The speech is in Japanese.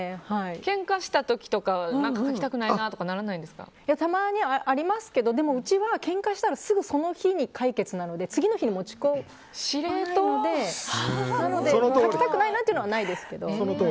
けんかした時とか書きたくないなとかたまにありますけどうちはけんかしたらすぐ、その日に解決なので次の日に持ち越さないので書きたくないなっていうのはないですけど。